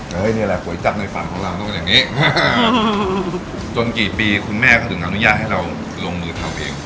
นี่แหละก๋วยจับในฝันของเราต้องเป็นอย่างนี้จนกี่ปีคุณแม่เขาถึงอนุญาตให้เราลงมือทำเอง